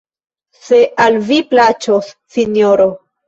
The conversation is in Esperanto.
Se al vi plaĉos, Sinjoro...